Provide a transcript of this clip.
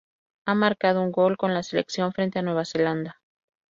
Ha marcado un gol con la selección frente a Nueva Zelanda.